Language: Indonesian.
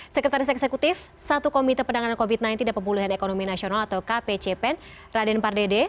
sekretaris eksekutif satu komite pendangan covid sembilan belas dan pemulihan ekonomi nasional atau kpcpen raden pardede